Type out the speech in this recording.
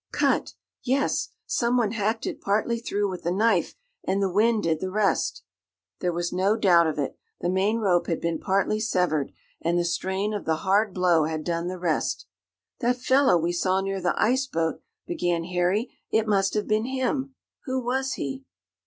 "Cut?" "Yes. Someone hacked it partly through with a knife, and the wind did the rest." There was no doubt of it. The main rope had been partly severed, and the strain of the hard blow had done the rest. "That fellow we saw near the ice boat!" began Harry. "It must have been him! Who was he?"